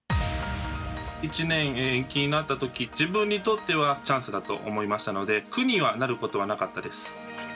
１年延期になったとき自分にとってはチャンスだと思いましたので苦には、なることはなかったです。